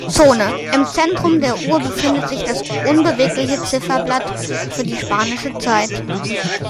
Zone: Im Zentrum der Uhr befindet sich das unbewegliche Zifferblatt für die Spanische Zeit.